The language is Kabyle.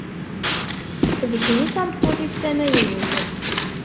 D kemm i d tameṭṭut-is tamaynut.